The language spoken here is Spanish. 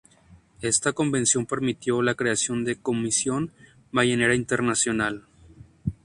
Esta convención permitió la creación de la Comisión Ballenera Internacional.